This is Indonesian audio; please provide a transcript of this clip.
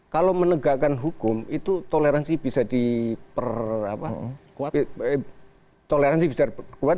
kalau menegakkan hukum itu toleransi bisa diperkuat dan intoleransi bisa ditegak